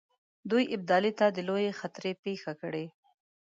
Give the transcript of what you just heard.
دوی ابدالي ته د لویې خطرې پېښه کړي.